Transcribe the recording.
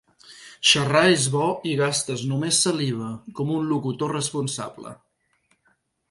Xerrar és bo i gastes només saliva, com un locutor responsable.